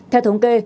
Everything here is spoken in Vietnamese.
theo thống kê